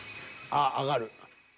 ［あっ上がる］